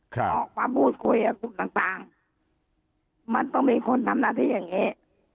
ครับความพูดคุยกับกรุ่นต่างต่างมันต้องมีคนทำหน้าที่อย่างเงี้ย